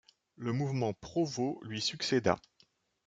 Le mouvement Provo lui succéda.